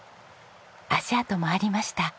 足跡もありました。